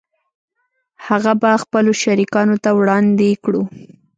هغه به خپلو شریکانو ته وړاندې کړو